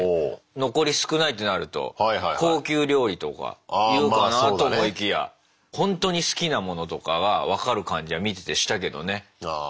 残り少ないってなると高級料理とか言うかなと思いきやほんとに好きなものとかが分かる感じは見ててしたけどね。